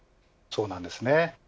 そうなんですね。